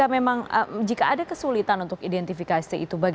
menurut pak subang